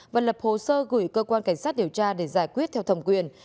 và lập hồ sơ gửi cơ quan cảnh sát điều tra để giải quyết theo thẩm quyền